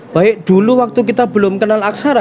baik dulu waktu kita belum kenal aksara